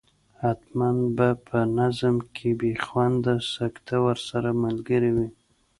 حتما به په نظم کې بې خونده سکته ورسره ملګرې وي.